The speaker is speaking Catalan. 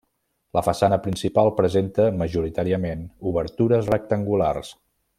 La façana principal presenta majoritàriament obertures rectangulars.